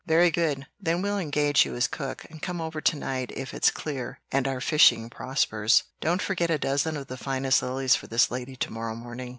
"Very good; then we'll engage you as cook, and come over to night if it's clear and our fishing prospers. Don't forget a dozen of the finest lilies for this lady to morrow morning.